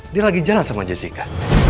dia lagi jalan sama jessica